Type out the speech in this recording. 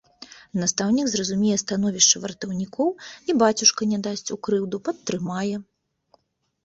Настаўнік зразумее становішча вартаўнікоў, і бацюшка не дасць у крыўду, падтрымае!